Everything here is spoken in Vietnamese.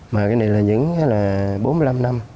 mà cái này là những bốn mươi năm năm